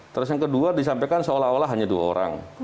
terus yang kedua disampaikan seolah olah hanya dua orang